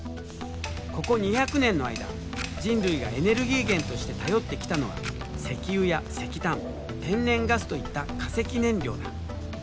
ここ２００年の間人類がエネルギー源として頼ってきたのは石油や石炭天然ガスといった化石燃料だ。